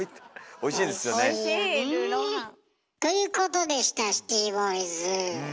おいしいルーローハン。ということでしたシティボーイズ。